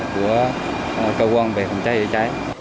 của cơ quan về phòng cháy chữa cháy